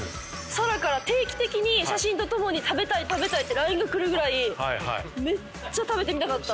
紗来から定期的に写真と共に食べたい食べたいＬＩＮＥが来るぐらいめっちゃ食べてみたかった。